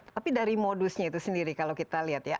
tapi dari modusnya itu sendiri kalau kita lihat ya